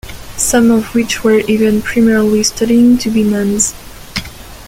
Some of which were even primarily studying to be nuns.